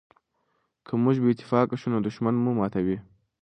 که موږ بې اتفاقه شو نو دښمن مو ماتوي.